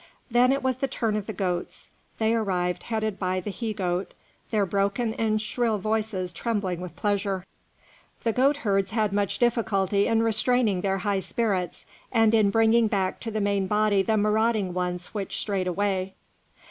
Then it was the turn of the goats. They arrived, headed by the he goat, their broken and shrill voices trembling with pleasure; the goat herds had much difficulty in restraining their high spirits and in bringing back to the main body the marauding ones which strayed away.